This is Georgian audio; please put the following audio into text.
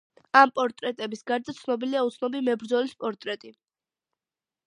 ამ პორტრეტების გარდა ცნობილია უცნობი „მებრძოლის“ პორტრეტი.